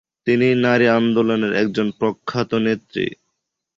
তিনি নারী আন্দোলনের একজন প্রখ্যাত নেত্রী।